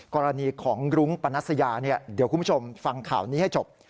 กรณีของรุ้งปนัสยาเดี๋ยวคุณผู้ชมฟังข่าวนี้ให้จบ